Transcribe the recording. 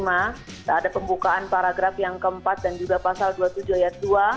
ada pembukaan paragraf yang keempat dan juga pasal dua puluh tujuh ayat dua